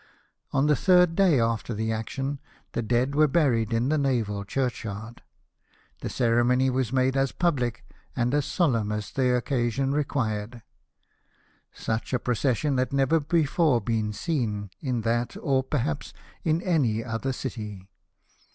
On the third day after the action the dead were buried in the naval churchyard, The ceremony was made as public and as solemn as the occasion re quired ; such a procession had never before been seen in that, or, perhaps, in any other city.